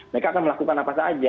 mereka akan melakukan apa saja